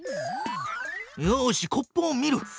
よしコップを見る！